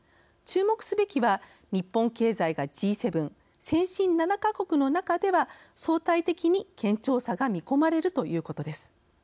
注目すべきは、日本経済がＧ７＝先進７か国の中では相対的に堅調さが見込まれるということです。